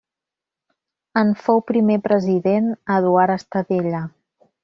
En fou primer president Eduard Estadella.